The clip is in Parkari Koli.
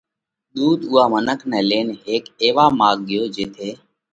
ۮُوت اُوئا منک نئہ لينَ هيڪ ايوا ماڳ ڳيو جيٿئہ